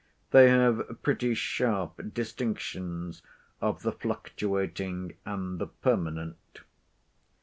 They have pretty sharp distinctions of the fluctuating and the permanent.